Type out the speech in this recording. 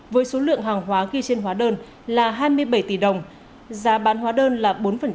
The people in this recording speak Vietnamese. với số lượng hàng hóa ghi trên hóa đơn là hai mươi bảy tỷ đồng giá bán hóa đơn là bốn